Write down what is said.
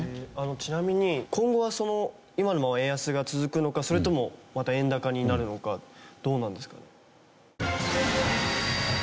ちなみに今後は今のまま円安が続くのかそれともまた円高になるのかどうなんですか？